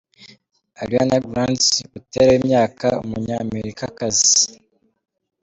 Ariana Grande Butera w'imyaka , Umunyamerikakazi.